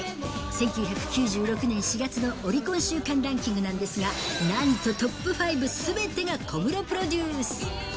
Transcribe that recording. １９９６年４月のオリコン週間ランキングなんですが、なんとトップ５すべてが小室プロデュース。